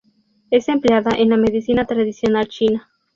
Es empleada en la medicina tradicional china.